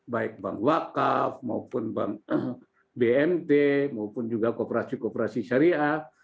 baik bank wakaf maupun bank bmt maupun juga kooperasi kooperasi syariah